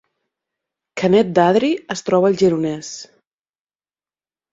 Canet d’Adri es troba al Gironès